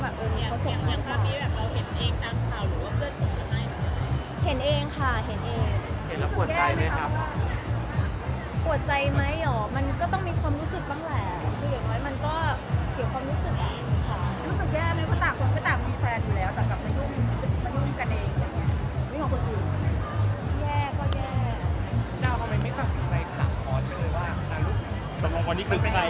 สำหรับวันนี้คือไม่มายกันอะไรอย่างไร